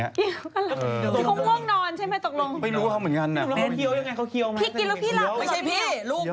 ไม่ใช่พี่ลูกพี่ตอนเด็ก